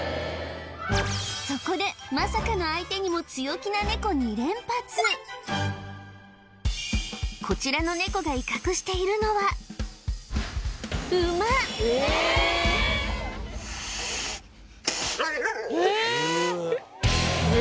そこでまさかの相手にも強気なネコ２連発こちらのネコが威嚇しているのはえ！